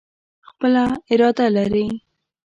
خپله اراده لري.